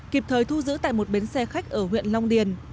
kịp thời thu giữ tại một bến xe khách ở huyện long điền